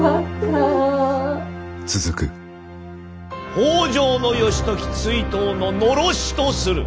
北条義時追討の狼煙とする！